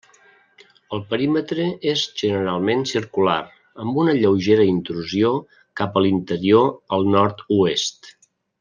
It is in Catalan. El perímetre és generalment circular, amb una lleugera intrusió cap a l'interior al nord-oest.